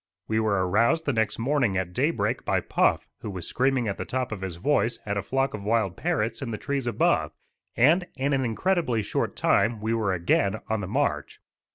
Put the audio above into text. We were aroused the next morning at daybreak by Puff who was screaming at the top of his voice at a flock of wild parrots in the trees above, and in an incredibly short time we were again on the march.